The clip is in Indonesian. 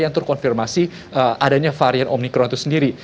yang terkonfirmasi adanya varian omikron itu sendiri